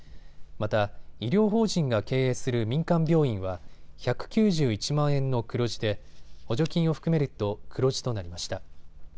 また医療法人が経営する民間病院は１９１万円の黒字で補助金を含めると黒字となりました。